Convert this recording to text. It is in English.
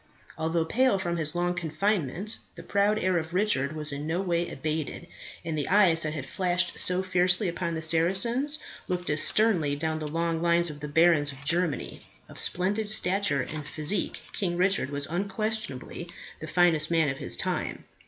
Although pale from his long confinement, the proud air of Richard was in no way abated, and the eyes that had flashed so fearlessly upon the Saracens looked as sternly down the long lines of the barons of Germany. Of splendid stature and physique, King Richard was unquestionably the finest man of his time.